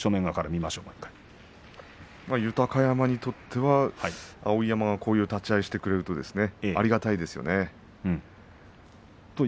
豊山にとっては碧山がこういう立ち合いをしてくれるとありがたいですよね。